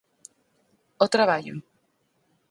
Ó traballo?